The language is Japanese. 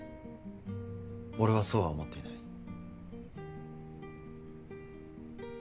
俺はそうは思っていない。